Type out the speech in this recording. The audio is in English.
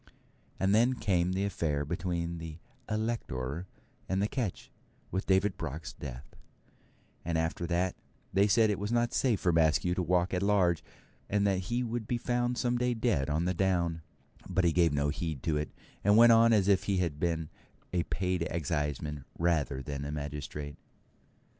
And then came the affair between the Elector and the ketch, with David Block's death; and after that they said it was not safe for Maskew to walk at large, and that he would be found some day dead on the down; but he gave no heed to it, and went on as if he had been a paid exciseman rather than a magistrate.